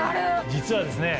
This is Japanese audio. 実はですね